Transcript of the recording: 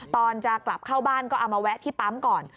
ตอนจะกลับเข้าบ้านก็เอามาแวะที่ปั๊มก่อน